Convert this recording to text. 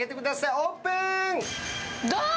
オープン！